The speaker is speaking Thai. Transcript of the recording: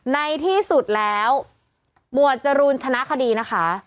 ในที่สุดแล้วหมวดจรูนชนะคดีนะคะ